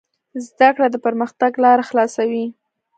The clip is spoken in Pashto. زده کړه د پرمختګ لاره خلاصوي.